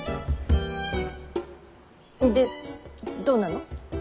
でどうなの。